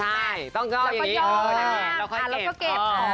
ต้องต้องยังงี้เราก็เก็บ